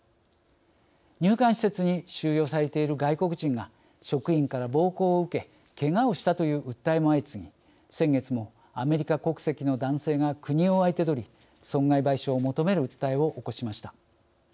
入管施設に収容されている外国人が職員から暴行を受けけがをしたという訴えも相次ぎ先月もアメリカ国籍の男性が国を相手取り、損害賠償を求める訴えを起こしました。